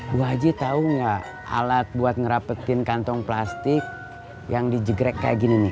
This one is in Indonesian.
bu haji tahu nggak alat buat ngerapetin kantong plastik yang dijegrek kayak gini nih